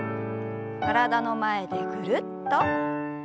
体の前でぐるっと。